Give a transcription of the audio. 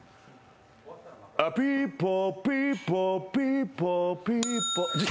あっ、ピーポーピーポー。